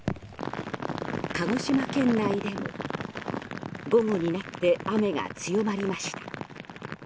鹿児島県内でも午後になって雨が強まりました。